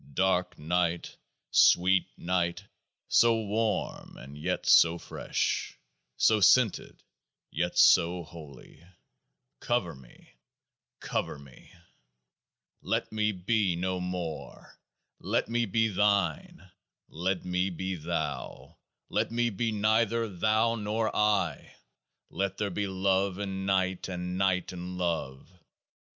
Dark night, sweet night, so warm and yet so fresh, so scented yet so holy, cover me, cover me ! Let me be no more ! Let me be Thine ; let me be Thou ; let me be neither Thou nor I ; let there be love in night and night in love.